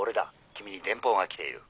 君に電報が来ている。